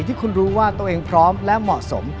ที่คุณรู้ว่าตัวเองพร้อมและเหมาะสม